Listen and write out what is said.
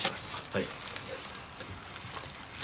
はい。